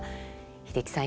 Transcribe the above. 英樹さん